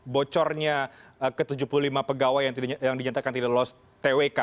bocornya ke tujuh puluh lima pegawai yang dinyatakan tidak lolos twk